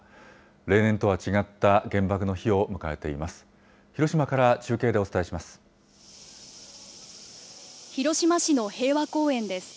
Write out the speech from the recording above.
例年とは違った原爆の日を迎えています。